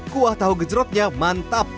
kuah tahu gejotnya mantap